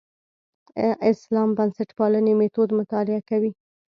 اسلام بنسټپالنې میتود مطالعه کوي.